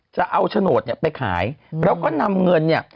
จะเอาโฉนดเนี่ยไปขายแล้วก็นำเงินเนี่ย